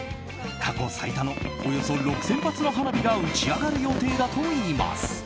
過去最多のおよそ６０００発の花火が打ち上がる予定だといいます。